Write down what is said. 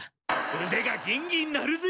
うでがギンギン鳴るぜ！